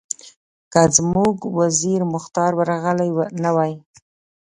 که زموږ وزیر مختار ورغلی نه وای.